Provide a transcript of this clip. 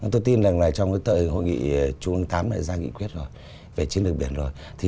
tôi tin lần này trong cái tờ hội nghị trung ương viii đã ra nghị quyết rồi về chiến lược biển rồi